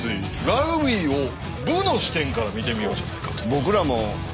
ラグビーを武の視点から見てみようじゃないかと。